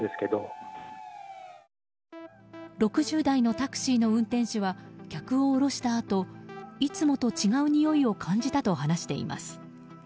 ６０代のタクシーの運転手は客を降ろしたあといつもと違うにおいを感じたと話しています。